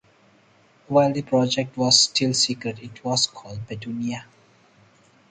While the project was still secret, it was called "Petunia".